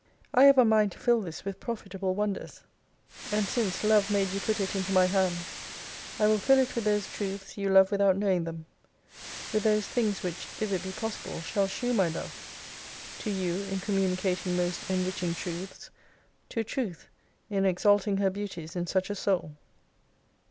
I have a mind to fill this witl profitable wonders. And since Love made you put it into my hands I will fill it with those Truths you love without knowing them : with those things which, if it be possible, shall shew my Love ; to you in communi cating most enriching Truths : to Truth in exalting her beauties in such a Soul.